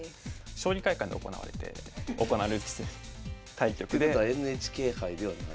将棋会館で行われて行われる棋戦対局で。ってことはＮＨＫ杯ではない。